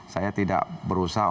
saya tidak berusaha